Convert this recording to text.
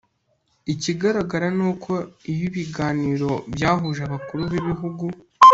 ikigaragara ni uko iyo ibiganiro byahuje abakuru b'ibihugu